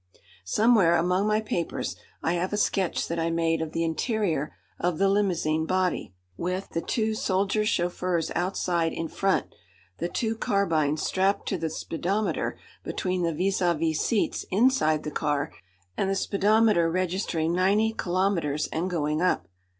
Somewhere among my papers I have a sketch that I made of the interior of the limousine body, with the two soldier chauffeurs outside in front, the two carbines strapped to the speedometer between the vis à vis seats inside the car, and the speedometer registering ninety kilometres and going up.